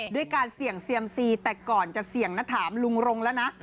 ด้วยการเสี่ยงเซียมซีแต่ก่อนจะเสี่ยงนะถามลุงรงแล้วนะ